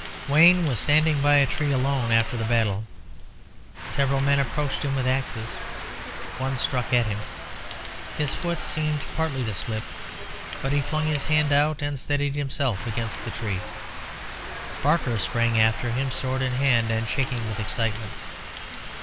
Wayne was standing by a tree alone after the battle. Several men approached him with axes. One struck at him. His foot seemed partly to slip; but he flung his hand out, and steadied himself against the tree. Barker sprang after him, sword in hand, and shaking with excitement.